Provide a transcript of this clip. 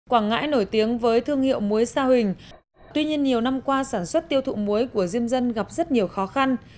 quảng ngãi nổi tiếng với thương hiệu muối sa huỳnh tuy nhiên nhiều năm qua sản xuất tiêu thụ muối của diêm dân gặp rất nhiều khó khăn